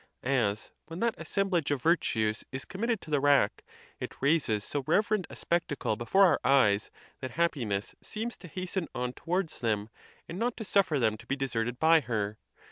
As when that assemblage of virtues is com mitted to the rack, it raises so reverend a spectacle before our eyes that happiness seems to hasten on towards them, and not to suffer them to be deserted by her..